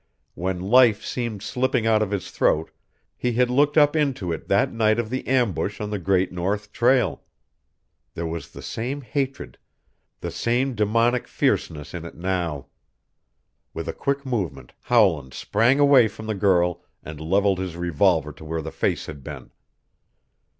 When life seemed slipping out of his throat he had looked up into it that night of the ambush on the Great North Trail. There was the same hatred, the same demoniac fierceness in it now. With a quick movement Howland sprang away from the girl and leveled his revolver to where the face had been.